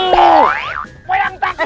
lo yang takut